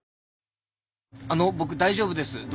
あの僕大丈夫です。